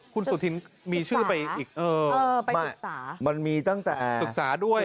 คุณสุธินมีชื่อไปอีกเออมันมีตั้งแต่ศึกษาด้วย